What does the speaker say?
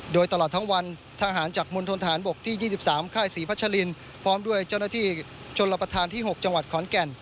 โดยตลอดทั้งวันทหารจากมณฑนฐานบกที่๒๓ค่ายศรีพัชลินพร้อมด้วยเจ้าหน้าที่ชนรับประทานที่๖จังหวัดขอนแก่น